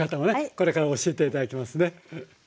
これから教えて頂きますね。